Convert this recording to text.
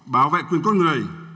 bảo vệ quyền con người